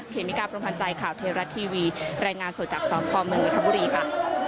เคมีกราฟประพันธ์ใจข่าวเทราัตทีวีรายงานสดจากสมภเมืองกระทะบุรีค่ะ